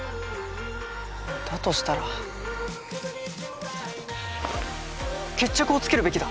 だとしたら決着をつけるべきだ。